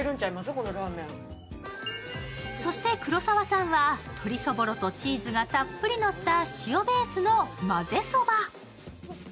そして黒沢さんは鶏そぼろとチーズがたっぷりのった塩ベースのまぜそば。